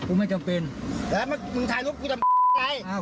กูไม่จำเป็นแล้วมันมึงถ่ายรูปกูทำอะไรอ้าว